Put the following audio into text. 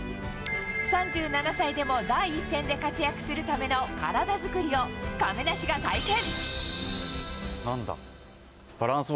３７歳でも第一線で活躍するための体作りを、なんだ？